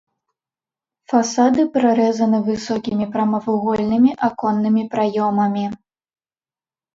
Фасады прарэзаны высокімі прамавугольнымі аконнымі праёмамі.